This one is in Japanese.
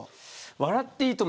笑っていいとも！